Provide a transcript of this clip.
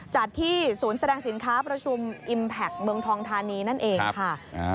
จัดที่ศูนย์แสดงสินค้าประชุมอิมแพคเมืองทองทานีนั่นเองค่ะ